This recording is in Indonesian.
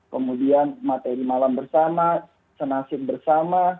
kemudian mati di malam bersama senasib bersama